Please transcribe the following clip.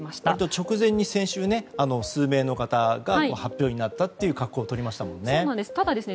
直前に数名の方が発表になったという格好をとりましたもんね。